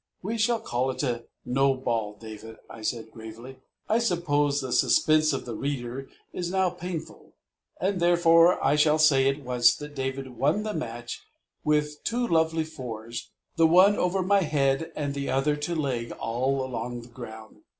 "We shall call it a no ball, David," I said gravely. I suppose the suspense of the reader is now painful, and therefore I shall say at once that David won the match with two lovely fours, the one over my head and the other to leg all along the ground.